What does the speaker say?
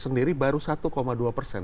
sendiri baru satu dua persen